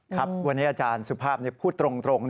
ครับวันนี้อาจารย์สุภาพพูดตรง